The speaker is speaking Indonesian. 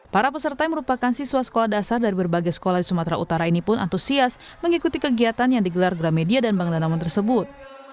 para peserta yang merupakan siswa sekolah dasar dari berbagai sekolah di sumatera utara ini pun antusias mengikuti kegiatan yang digelar gramedia dan bank tanaman tersebut